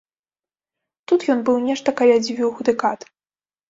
Тут ён быў нешта каля дзвюх дэкад.